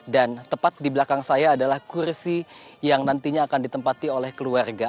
dan tepat di belakang saya adalah kursi yang nantinya akan ditempati oleh keluarga